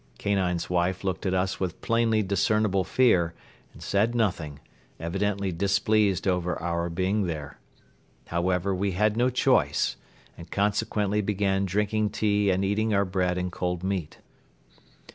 Kanine's wife looked at us with plainly discernible fear and said nothing, evidently displeased over our being there. However, we had no choice and consequently began drinking tea and eating our bread and cold meat.